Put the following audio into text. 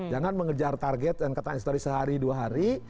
jangan mengejar target dan kata histori sehari dua hari